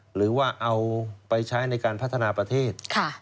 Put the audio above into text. หรือว่าเอาไปใช้ในการพัฒนาประเทศ